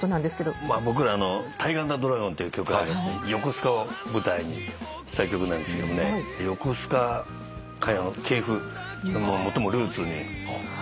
僕ら『タイガー＆ドラゴン』っていう曲がありますんで横須賀を舞台にした曲なんですけどもね横須賀歌謡の系譜ルーツに当たる曲だなと。